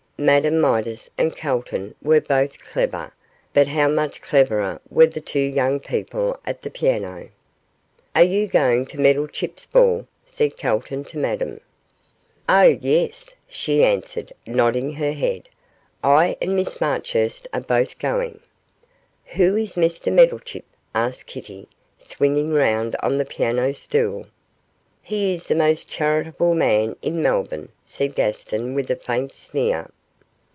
Madame Midas and Calton were both clever, but how much cleverer were the two young people at the piano. 'Are you going to Meddlechip's ball?' said Calton to Madame. 'Oh, yes,' she answered, nodding her head, 'I and Miss Marchurst are both going.' 'Who is Mr Meddlechip?' asked Kitty, swinging round on the piano stool. 'He is the most charitable man in Melbourne,' said Gaston, with a faint sneer.